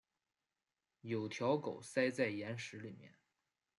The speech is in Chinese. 有条狗塞在岩石里面